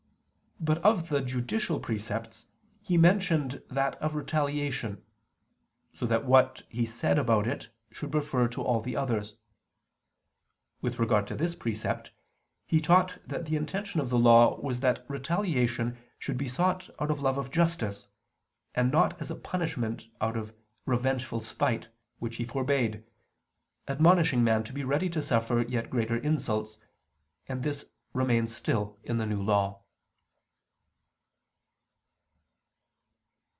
But of the judicial precepts He mentioned that of retaliation: so that what He said about it should refer to all the others. With regard to this precept, He taught that the intention of the Law was that retaliation should be sought out of love of justice, and not as a punishment out of revengeful spite, which He forbade, admonishing man to be ready to suffer yet greater insults; and this remains still in the New Law.